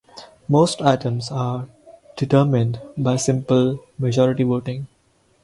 Most items are determined by simple majority voting.